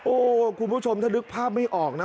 โอ้โหคุณผู้ชมถ้านึกภาพไม่ออกนะ